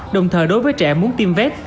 đồng thời đối với trẻ muốn tiêm vét